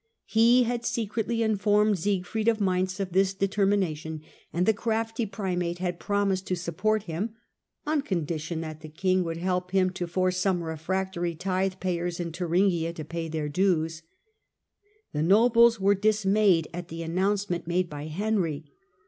He had secretly informed Siegfried of Mainz of this He seeks a determination, and the crafty primate had divorce promised to support him, on condition that the king would help him to force some refractory tithe payers in Thuringia to pay their dues. The nobles were dismayed at the announcement made by Henry.